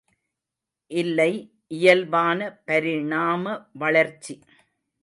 இல்லை இயல்பான பரிணாம வளர்ச்சி!